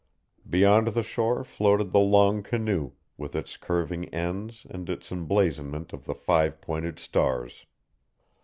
Beyond the shore floated the long canoe, with its curving ends and its emblazonment of the five pointed stars.